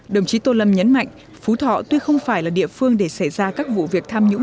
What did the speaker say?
đồng chí tô lâm nhấn mạnh phú thọ tuy không phải là địa phương để xảy ra các vụ việc tham nhũng